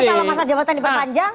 kalau masa jabatan diperpanjang